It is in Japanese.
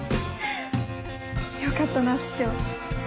よかったな師匠。